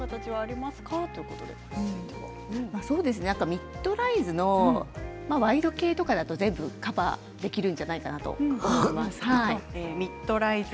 ミッドライズのワイド系は全部カバーできるんじゃないかなと思います。